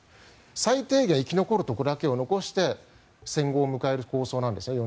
最低限生き残るところだけを残して戦後を迎える構想なんですね。